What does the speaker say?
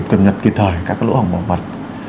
cập nhật kịp thời các lỗ hỏng bảo mật